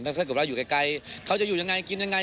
ถ้าเกิดว่าอยู่ไกลเขาจะอยู่ยังไงกินยังไง